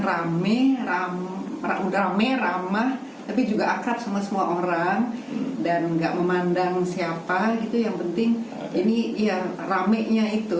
rame rame udah rame ramah tapi juga akrab sama semua orang dan gak memandang siapa itu yang penting ini ya ramenya itu